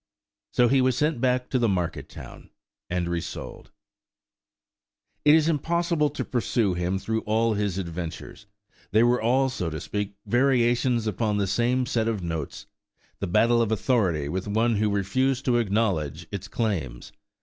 So he was sent back to the market town, and resold. It is impossible to pursue him through all his adventures; they were all, so to speak, variations upon the same set of notes–the battle of authority with one who refused to acknowledge its claims.